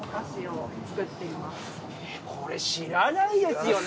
これ知らないですよね。